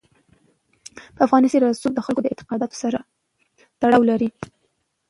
په افغانستان کې رسوب د خلکو اعتقاداتو سره تړاو لري.